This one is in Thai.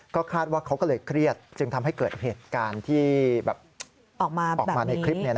ก็คาดว่าเขาก็เลยเครียดจึงทำให้เกิดเหตุการณ์ที่ออกมาในคลิป